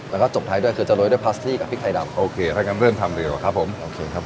แล้วก็จบท้ายด้วยคือจะโรยด้วยพาสตี้กับพริกไทยดำโอเคถ้างั้นเริ่มทำดีกว่าครับผมโอเคครับ